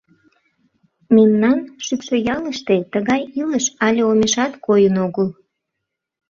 Мемнан Шӱкшыялыште тыгай илыш але омешат койын огыл.